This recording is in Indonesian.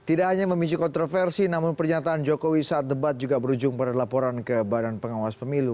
tidak hanya memicu kontroversi namun pernyataan jokowi saat debat juga berujung pada laporan ke badan pengawas pemilu